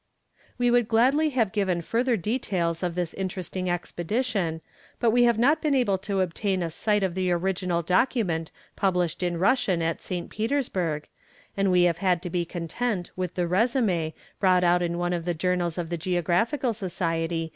We would gladly have given further details of this interesting expedition, but we have not been able to obtain a sight of the original account published in Russian at St. Petersburg, and we have had to be content with the résumé brought out in one of the journals of the Geographical Society in 1839.